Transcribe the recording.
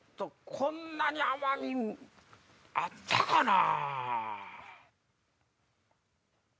こんなに甘みあったかなぁ？